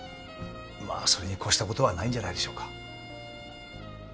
まあそれに越したことはないんじゃないでしょうか。